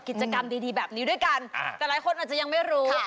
กิจกรรมดีแบบนี้ด้วยกันแต่หลายคนอาจจะยังไม่รู้